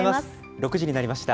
６時になりました。